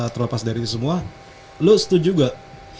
terlepas dari itu semua lo setuju gak